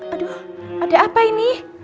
aduh ada apa ini